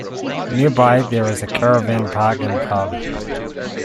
Nearby there is a caravan park and pub.